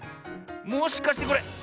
もしかしてこれ。